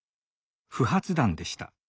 不発弾でした。